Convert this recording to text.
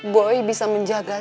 boy bisa menjaga